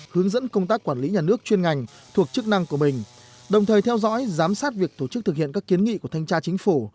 hướng dẫn công tác quản lý nhà nước chuyên ngành thuộc chức năng của mình đồng thời theo dõi giám sát việc tổ chức thực hiện các kiến nghị của thanh tra chính phủ